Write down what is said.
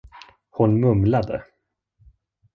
Hon mumlade.